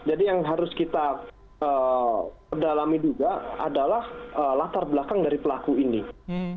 jadi yang harus kita perdalami juga adalah latar belakang dari pelakunya